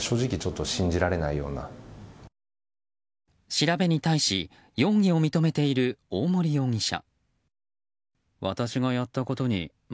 調べに対し容疑を認めている大森容疑者。